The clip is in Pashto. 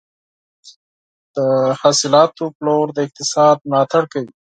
د حاصلاتو پلور د اقتصاد ملاتړ کوي.